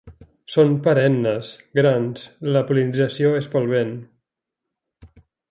Són perennes, grans, la pol·linització és pel vent.